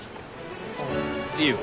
ああいいよ。